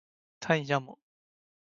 餐饮加盟